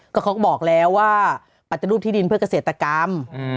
เขาก็บอกแล้วว่าปฏิรูปที่ดินเพื่อเกษตรกรรม